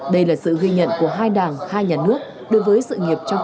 đây là sự ghi nhận của hai đảng hai nhà nước đối với sự nghiệp trong công an